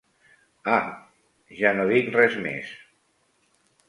Ah! Ja no dic res més.